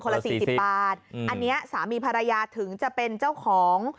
ละ๔๐บาทอันนี้สามีภรรยาถึงจะเป็นเจ้าของ